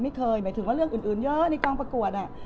ไม่เคยหมายถึงว่าเรื่องอื่นเยอะในกลางประกวดอะ